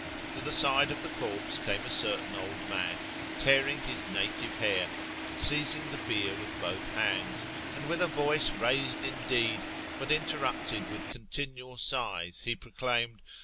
To the side of the corpse came a certain old man, tearing his native hair, and seizing the bier with both his hands, and with a voice raised indeed, but interrupted with continual sighs, he exclaimed.